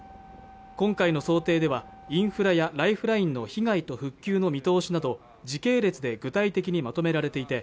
今回の想定ではインフラやライフラインの被害と復旧の見通しなど時系列で具体的にまとめられていて